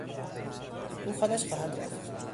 او خودش خواهد رفت.